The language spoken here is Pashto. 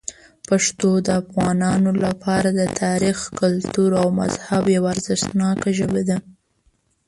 پښتو د افغانانو لپاره د تاریخ، کلتور او مذهب یوه ارزښتناک ژبه ده.